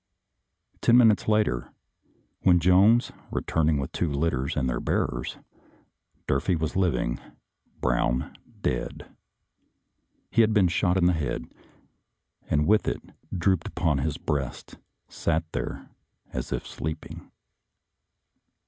Ten minutes later, when Jones returned with two litters and their bearers, Dur fee was living, Brown dead. He had been shot in the head, and with it drooped upon his breast sat there as if sleeping.